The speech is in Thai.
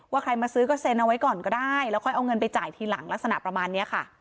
ใครมาซื้อก็เซ็นเอาไว้ก่อนก็ได้แล้วค่อยเอาเงินไปจ่ายทีหลังลักษณะประมาณนี้ค่ะ